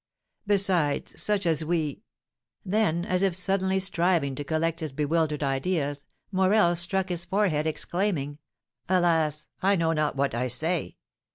Besides, such as we " Then, as if suddenly striving to collect his bewildered ideas, Morel struck his forehead, exclaiming, "Alas! I know not what I say.